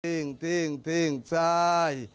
ิ้งทิ้งทิ้งซ้าย